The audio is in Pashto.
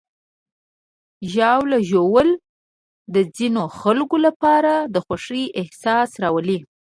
ژاوله ژوول د ځینو خلکو لپاره د خوښۍ احساس راولي.